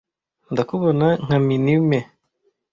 Ndakubona nka mini me ...